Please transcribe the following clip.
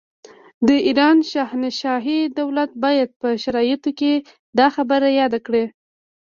د ایران شاهنشاهي دولت باید په شرایطو کې دا خبره یاده کړي.